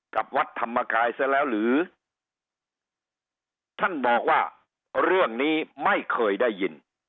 กับวัดธรรมกายซะแล้วหรือท่านบอกว่าเรื่องนี้ไม่เคยได้ยิน